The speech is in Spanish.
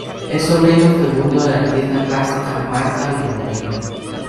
Es sobrino segundo de la artista plástica Marta Minujín.